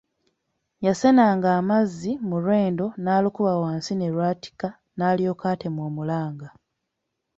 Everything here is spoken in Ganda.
Yasenanga amazzi mu lwendo n'alukuba wansi ne lwatika, n'alyoka atema omulanga.